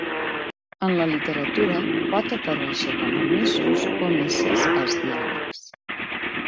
En la literatura, pot aparèixer com a "missus" o "missis" als diàlegs.